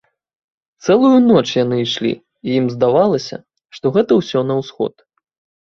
Цэлую ноч яны ішлі, і ім здавалася, што гэта ўсё на ўсход.